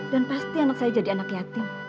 dan pasti anak saya jadi anak yatim